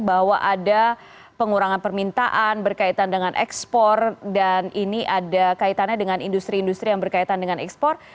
bahwa ada pengurangan permintaan berkaitan dengan ekspor dan ini ada kaitannya dengan industri industri yang berkaitan dengan ekspor